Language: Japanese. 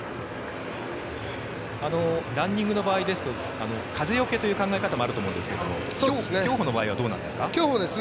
ランニングの場合ですと風よけという考え方もあると思いますが競歩の場合はどうなんですか？